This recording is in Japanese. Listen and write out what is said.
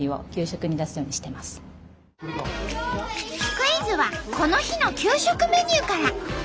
クイズはこの日の給食メニューから。